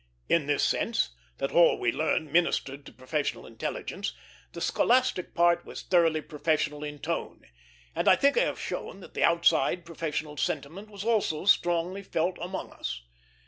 In this sense that all we learned ministered to professional intelligence the scholastic part was thoroughly professional in tone; and I think I have shown that the outside professional sentiment was also strongly felt among us.